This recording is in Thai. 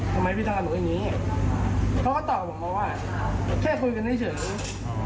เป็นไงพี่ธรรมหนูอันนี้เขาก็ตอบผมว่าว่าแค่คุยกันได้ยังไง